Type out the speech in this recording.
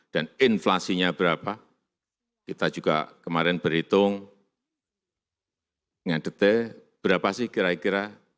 dan inflasinya berapa kita juga kemarin berhitung dengan detil berapa sih kira kira